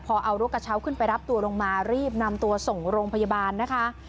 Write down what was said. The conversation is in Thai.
พอเอารถกระเช้าขึ้นไปรับตัวลงมารีบนำตัวส่งโรงพยาบาลนะคะ